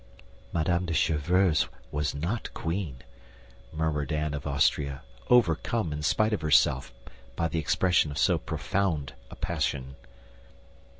"Madame de Chevreuse was not queen," murmured Anne of Austria, overcome, in spite of herself, by the expression of so profound a passion.